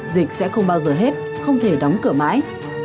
dịch sẽ không bao giờ hết không thể đóng cửa mãi